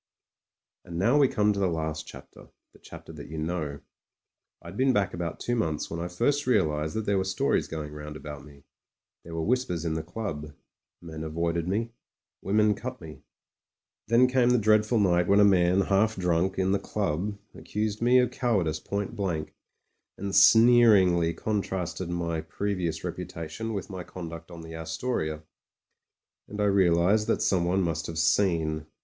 And now we come to the last chapter — the chapter that you know. I'd been back about two months when I first realised that there were stories going round about me. There were whispers in the club; men avoided me ; women cut me. Then came the dreadful night when a man — ^half drunk — ^in the club accused me of cowardice point blank, and sneer ingly contrasted my previous reputation with my conduct on the Astoria. And I realised that someone must have seen.